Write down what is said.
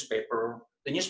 titel kisah ini